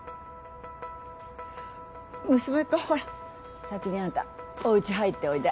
娘っ子ほら先にあんたおうち入っておいで。